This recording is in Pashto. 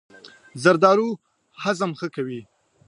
زردالو هضم ښه کوي.